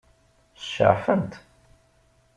Ceɛfent?